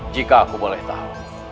jika aku boleh tahu